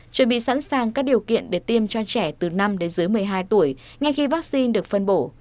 chuẩn bị sẵn sàng các điều kiện để tiêm cho trẻ từ năm đến dưới một mươi hai tuổi ngay khi vaccine được phân bổ